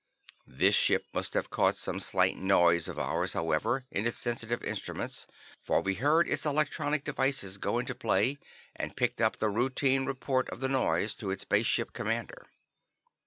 This ship must have caught some slight noise of ours, however, in its sensitive instruments, for we heard its electronic devices go into play, and picked up the routine report of the noise to its Base Ship Commander.